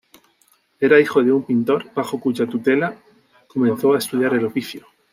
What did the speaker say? Era hijo de un pintor bajo cuya tutela comenzó a estudiar el oficio.